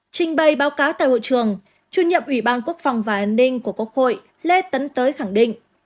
trình bày báo cáo tại hội trường chủ nhiệm ủy ban quốc phòng và an ninh của quốc hội lê tấn tới khẳng định